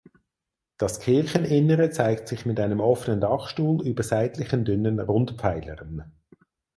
Das Kircheninnere zeigt sich mit einem offenen Dachstuhl über seitlichen dünnen Rundpfeilern.